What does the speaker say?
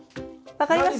分かります？